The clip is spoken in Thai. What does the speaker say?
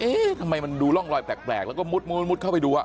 เอ๊ะทำไมมันดูร่องรอยแปลกแปลกแล้วก็มุดมุดมุดเข้าไปดูอ่ะ